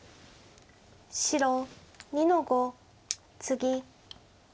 白２の五ツギ。